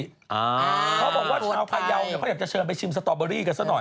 เขาบอกว่าชาวพยาวเนี่ยเขาอยากจะเชิญไปชิมสตอเบอรี่กันซะหน่อย